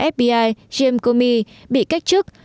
fbi james comey bị cách chức